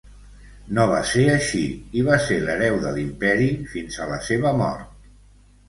No va ser així, i va ser l'hereu de l'imperi fins a la seva mort.